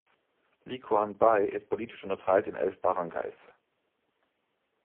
Licuan-Baay ist politisch unterteilt in elf Baranggays.